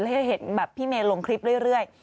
แล้วจะเห็นแบบพี่เมย์ลงคลิปเรื่อย